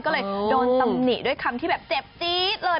ก็เลยโดนตำหนิด้วยคำที่แบบเจ็บจี๊ดเลย